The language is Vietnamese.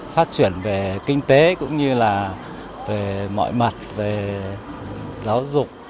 phát triển về kinh tế cũng như là về mọi mặt về giáo dục